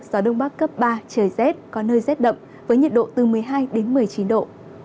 gió đông bắc cấp ba trời rét có nơi rét đậm với nhiệt độ từ một mươi hai đến một mươi chín độ